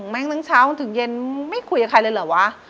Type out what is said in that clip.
แม่งทั้งเช้าถึงเย็นไม่คุยกับใครเลยเหรอวะ